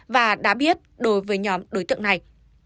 và đã biết đối với nhóm đối tượng này